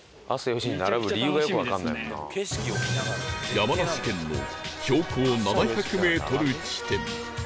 山梨県の標高７００メートル地点